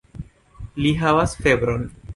Li havas febron.